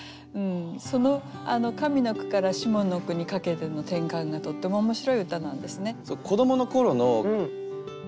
その上の句から下の句にかけての転換がとっても面白い歌なんですね。